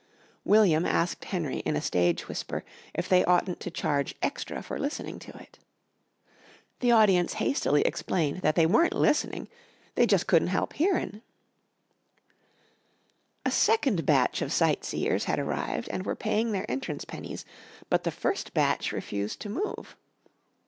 William asked Henry in a stage whisper if they oughtn't to charge extra for listening to it. The audience hastily explained that they weren't listening, they "jus' couldn't help hearin'." A second batch of sightseers had arrived and were paying their entrance pennies, but the first batch refused to move.